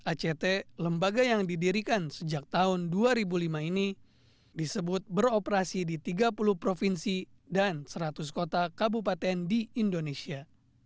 act lembaga yang didirikan sejak tahun dua ribu lima ini disebut beroperasi di tiga puluh provinsi dan seratus kota kabupaten di indonesia